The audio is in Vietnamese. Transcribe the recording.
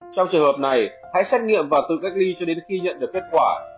trong trường hợp này hãy xét nghiệm và tự cách ly cho đến khi nhận được kết quả